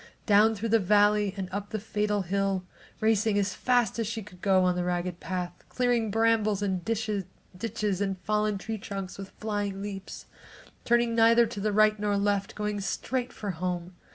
Down through the valley and up the fatal hill, racing as fast as she could go on the ragged path, clearing brambles and ditches and fallen tree trunks with flying leaps, turning neither to the right nor the left, going straight for home.